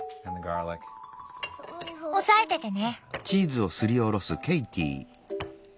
押さえててね。